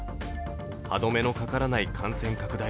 歯止めのかからない感染拡大